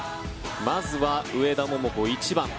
まずは上田桃子、１番。